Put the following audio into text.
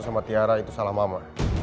jangan berités lagi ya